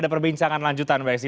ada perbincangan lanjutan mbak esy